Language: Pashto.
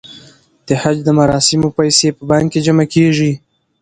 د حج د مراسمو پیسې په بانک کې جمع کیږي.